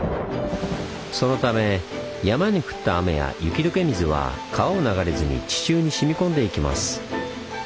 そのため山に降った雨や雪どけ水は川を流れずに地中に染み込んでいきます。